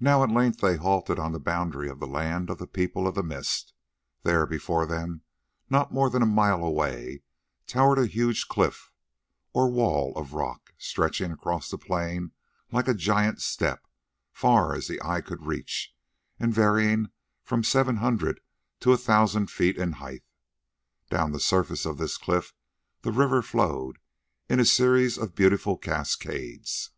Now at length they halted on the boundary of the land of the People of the Mist. There before them, not more than a mile away, towered a huge cliff or wall of rock, stretching across the plain like a giant step, far as the eye could reach, and varying from seven hundred to a thousand feet in height. Down the surface of this cliff the river flowed in a series of beautiful cascades.